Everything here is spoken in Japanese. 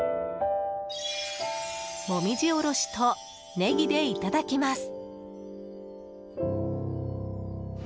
もみじおろしとネギでいただきます。